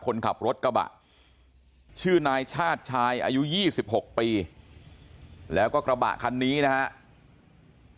คนขับรถกระบะชื่อนายชาติชายอายุ๒๖ปีแล้วก็กระบะคันนี้นะครับ